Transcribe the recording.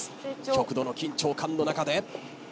極度の緊張感の中で皮を。